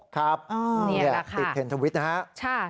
ครับนี่แหละค่ะติดเทรนด์ทวิตนะคะ